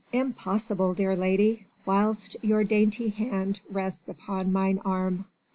"Impossible, dear lady, whilst your dainty hand rests upon mine arm."